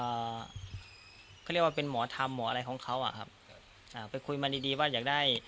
อ่าเขาเรียกว่าเป็นหมอธรรมหมออะไรของเขาอ่ะครับอ่าไปคุยมาดีดีว่าอยากได้